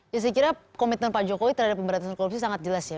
ya saya kira komitmen pak jokowi terhadap pemberantasan korupsi sangat jelas ya